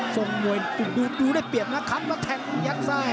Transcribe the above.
ส่งมวยดูได้เปรียบนะครับแล้วแทงยักษ์ใส่